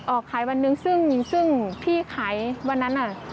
ออกขายวันหนึ่งซึ่งพี่ขายวันนั้นน่ะ